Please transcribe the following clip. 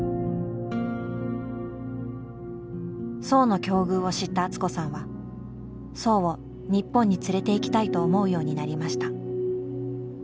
荘の境遇を知った敦子さんは荘を日本に連れて行きたいと思うようになりました。